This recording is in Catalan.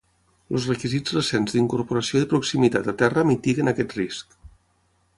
Els requisits recents d'incorporació de proximitat a terra mitiguen aquest risc.